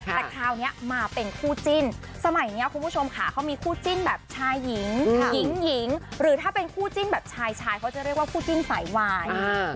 แต่คราวนี้มาเป็นคู่จิ้นสมัยนี้คุณผู้ชมค่ะเขามีคู่จิ้นแบบชายหญิงหญิงหรือถ้าเป็นคู่จิ้นแบบชายชายเขาจะเรียกว่าคู่จิ้นสายวาย